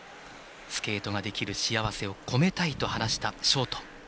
スケートができる幸せを込めたいと話すショート。